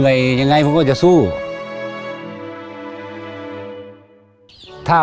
ก็ยังดีว่ามีคนมาดูแลน้องเติร์ดให้